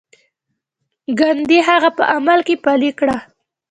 ګاندي هغه په عمل کې پلي کړه.